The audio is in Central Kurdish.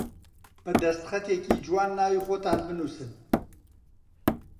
بە دەستخەتێکی جوان ناوی خۆتان بنووسن